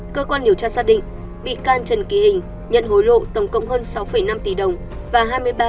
cơ quan điều tra xác định bị can trần kỳ hình nhận hối lộ tổng cộng hơn sáu năm tỷ đồng và hai mươi ba triệu đồng